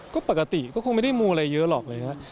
ก็ปกติก็คงไม่ได้มูอะไรเยอะหรอกเลยนะ